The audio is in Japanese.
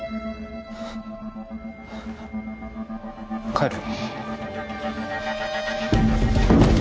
帰る